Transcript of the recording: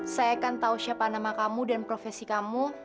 saya akan tahu siapa nama kamu dan profesi kamu